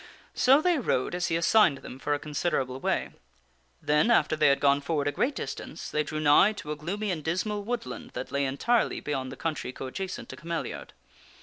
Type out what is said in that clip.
So they rode as he assigned them for a considerable way. Then after they had gone forward a great distance, they drew nigh to a gloomy and dismal woodland that lay entirely beyond the country coadjacent to Cameliard.